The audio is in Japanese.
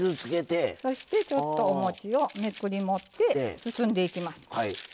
そして、ちょっとおもちをめくり持って包んでいきます。